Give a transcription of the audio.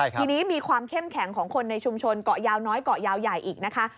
ทีนี้มีความเข้มแข็งของคนในชุมชนเกาะยาวน้อยเกาะยาวใหญ่อีกนะคะ